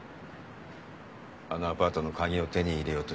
あのアパートの鍵を手に入れようとして。